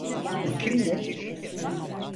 O kimdi?